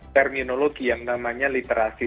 terminologi yang namanya literasi